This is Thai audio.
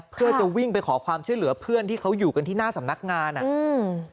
เพื่อจะวิ่งไปขอความช่วยเหลือเพื่อนที่เขาอยู่กันที่หน้าสำนักงานอ่ะอืม